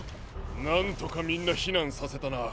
なんとかみんなひなんさせたな。